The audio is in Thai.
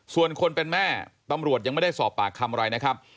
ส่วนคนเป็นแม่ตำรวจยังไม่ได้สอบปากคำอะไรนะครับ